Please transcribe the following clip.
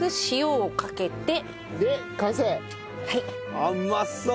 うまそう！